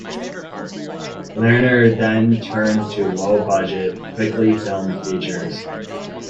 Lerner then turned to low-budget, quickly filmed features.